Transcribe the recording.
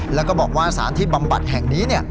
แล้วก็บอกว่าสารที่บำบัดแห่งนี้